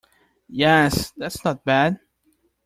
Yes, that's not bad.